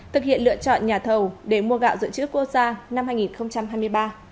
thực hiện lựa chọn nhà thầu để mua gạo dự trữ quốc gia năm hai nghìn hai mươi ba